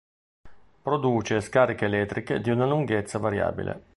Produce scariche elettriche di una lunghezza variabile.